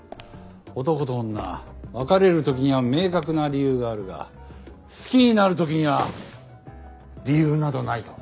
男と女別れる時には明確な理由があるが好きになる時には理由などないと。